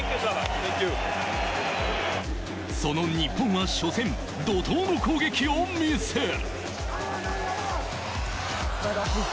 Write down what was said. その日本は初戦、怒涛の攻撃を見せる。